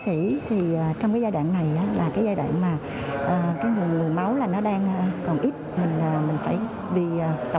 cũng thấy là còn bảy ngày khách ly tập trung để có bảy ngày khách ly nhạc